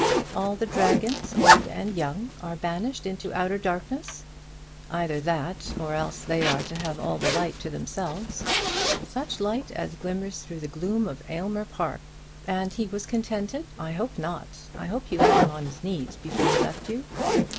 "All the dragons, old and young, are banished into outer darkness." "Either that, or else they are to have all the light to themselves." "Such light as glimmers through the gloom of Aylmer Park. And was he contented? I hope not. I hope you had him on his knees before he left you."